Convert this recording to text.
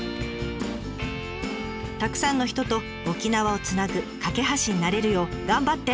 たくさんの人と沖縄をつなぐ懸け橋になれるよう頑張って！